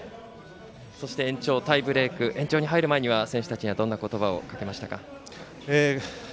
そして延長タイブレーク延長に入る前に選手たちにどんな声をかけましたか。